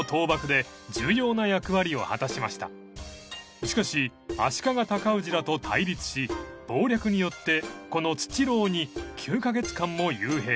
［しかし足利尊氏らと対立し謀略によってこの土牢に９カ月間も幽閉］